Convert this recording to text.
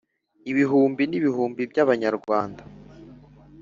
ibihumbi n'ibihumbi by'abanyarwanda,